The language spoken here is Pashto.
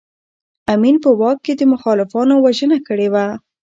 امین په واک کې د مخالفانو وژنه کړې وه.